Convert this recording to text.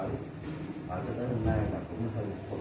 thở cho tới hôm nay là cũng hơn một tuần